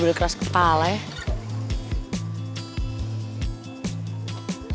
udah keras kepala ya